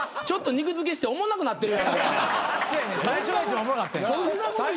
ちょっと肉づけしておもんなくなってるやん。